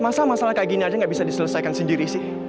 masa masalah kayak gini aja nggak bisa diselesaikan sendiri sih